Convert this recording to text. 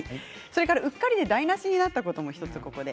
うっかりで台なしになったこともあります。